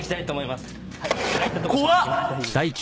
怖っ！